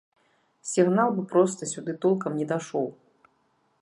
Сігнал бы проста сюды толкам не дайшоў.